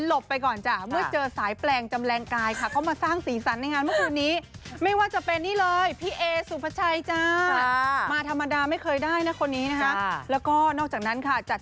หลบไปก่อนจ้ะเมื่อเจอสายแปลง